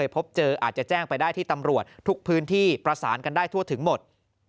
พบเจออาจจะแจ้งไปได้ที่ตำรวจทุกพื้นที่ประสานกันได้ทั่วถึงหมด